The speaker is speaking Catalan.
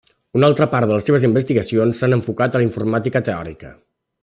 Una altra part de les seves investigacions s'han enfocat a la informàtica teòrica.